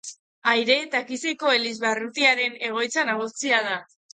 Aire eta Akizeko elizbarrutiaren egoitza nagusia da.